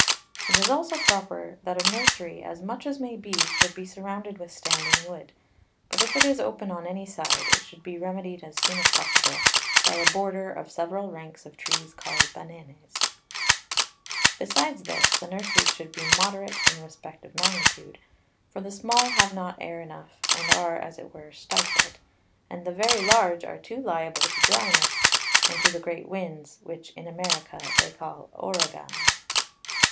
It is also proper that a Nursery, as much as may be, should be surrounded with standing Wood; but if it is open on any side, it should be remedy'd as soon as possible, by a Border of several Ranks of Trees called Bananes. Besides this, the Nurseries should be moderate in respect of Magnitude, for the Small have not Air enough, and are, as it were, stifled; and the very Large are too liable to Dryness, and to the great Winds, which, in America, they call _Ouragans_[u].